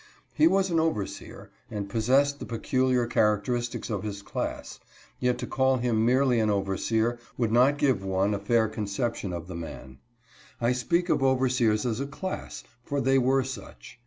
He was an overseer, and possessed the peculiar characteris tics of his class; yet to call him merely an overseer would not give one a fair conception of the man. I speak of overseers as a class, for they were such.